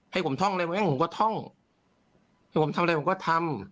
ให้ผมท่องเลยแม่งผมก็ท่องให้ผมทำอะไรผมก็ทำ